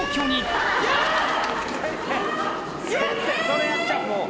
それやっちゃもう。